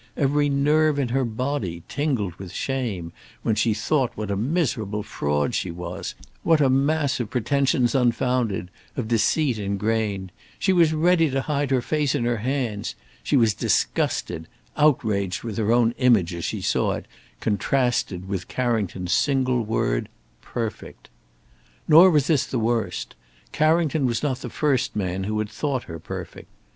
Every nerve in her body tingled with shame when she thought what a miserable fraud she was; what a mass of pretensions unfounded, of deceit ingrained. She was ready to hide her face in her hands. She was disgusted, outraged with her own image as she saw it, contrasted with Carrington's single word: Perfect! Nor was this the worst. Carrington was not the first man who had thought her perfect.